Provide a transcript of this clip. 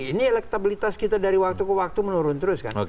ini elektabilitas kita dari waktu ke waktu menurun terus kan